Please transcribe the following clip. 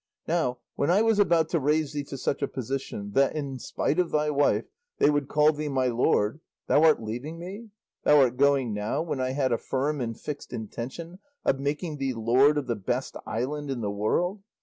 Now, when I was about to raise thee to such a position, that, in spite of thy wife, they would call thee 'my lord,' thou art leaving me? Thou art going now when I had a firm and fixed intention of making thee lord of the best island in the world?